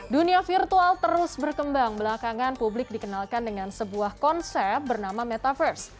dunia virtual terus berkembang belakangan publik dikenalkan dengan sebuah konsep bernama metaverse